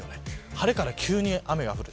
晴れから急に雨が降る。